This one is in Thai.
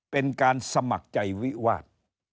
เป็นการสมัครใจวิวาส